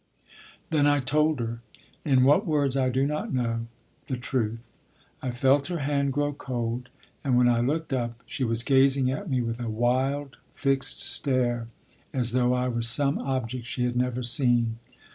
Then I told her, in what words I do not know, the truth. I felt her hand grow cold, and when I looked up, she was gazing at me with a wild, fixed stare as though I was some object she had never seen.